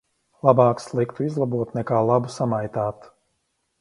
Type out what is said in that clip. Labāk sliktu izlabot nekā labu samaitāt.